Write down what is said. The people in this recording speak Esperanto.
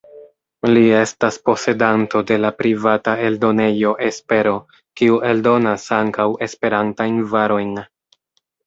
Li estas posedanto de la privata eldonejo Espero, kiu eldonas ankaŭ Esperantajn varojn.